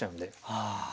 ああ。